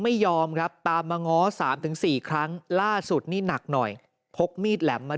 ไม่ยอมครับตามมาง้อ๓๔ครั้งล่าสุดนี่หนักหน่อยพกมีดแหลมมา